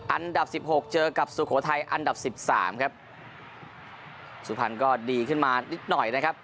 อันดับสิบหกเจอกับสุโขทัยอันดับสิบสามครับสุพรรณก็ดีขึ้นมานิดหน่อยนะครับ